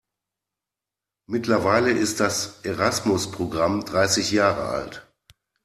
Mittlerweile ist das Erasmus-Programm dreißig Jahre alt.